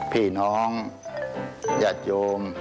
พี่น้องญาติโยม